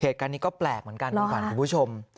เหตุการณ์นี้ก็แปลกเหมือนกันคุณขวัญคุณผู้ชม